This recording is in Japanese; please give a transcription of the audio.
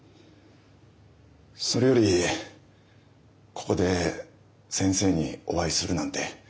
それよりここで先生にお会いするなんて